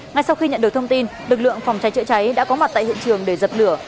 ngay sau khi nhận được thông tin lực lượng phòng cháy chữa cháy đã có mặt tại hiện trường để dập lửa